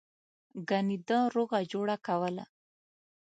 گني ده روغه جوړه کوله.